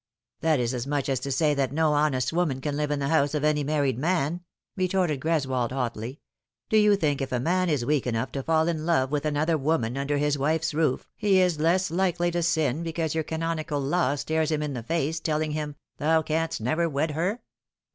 " That is as much as to say that no honest woman can live in the house of any married man," retorted Greswold hotly. "Do you think if a man is weak enough to fall in love with another woman under his wife's roof he is less likely to sin because your canonical law stares him in the face, telling him, ' Thou canst never wed her